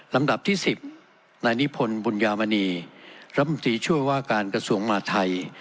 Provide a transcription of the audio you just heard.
ลำดับที่๑๐นายนิพนธ์บุญญามณีรัฐมนตรีช่วยว่าการกระทรวงมหาทัย